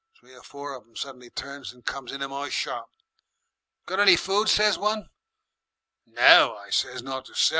Three or four of 'em suddenly turns and comes into my shop. "'Got any food?' says one. "'No,' I says, 'not to sell.